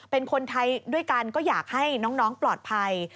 เป็นคนไทยด้วยกันก็อยากให้น้องปลอดภัย